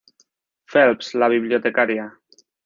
Phelps, la bibliotecaria.